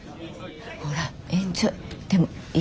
ほらエンジョイ。